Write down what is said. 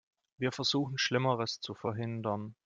Wir versuchen, Schlimmeres zu verhindern.